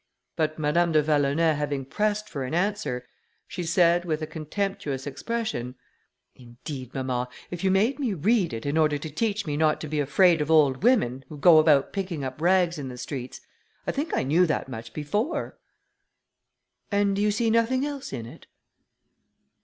But Madame de Vallonay having pressed for an answer, she said, with a contemptuous expression, "Indeed, mamma, if you made me read it, in order to teach me not to be afraid of old women, who go about picking up rags in the streets, I think I knew that much before." "And do you see nothing else in it?"